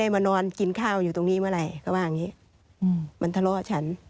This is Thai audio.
มันทะเลาะฉัน